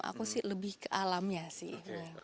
aku sih lebih ke alamnya sih